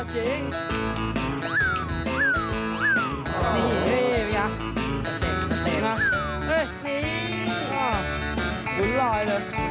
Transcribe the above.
เฮ่ยมีลายเลย